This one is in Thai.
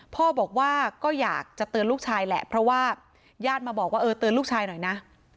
พ่อบอกว่าก็อยากจะเตือนลูกชายแหละเพราะว่าญาติมาบอกว่าเออเตือนลูกชายหน่อยนะ